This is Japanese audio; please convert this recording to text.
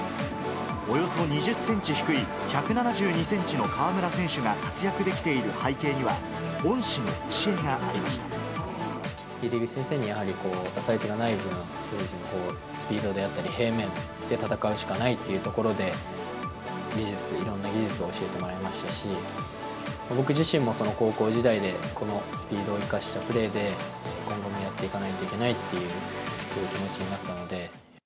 およそ２０センチ低い１７２センチの河村選手が活躍できている背景には、井手口先生にやはり、サイズがない分、スピードであったり、平面で戦うしかないっていうところで、技術、いろんな技術を教えてもらいましたし、僕自身も高校時代で、このスピードを生かしたプレーで、今後もやっていかないといけないっていう気持ちになったので。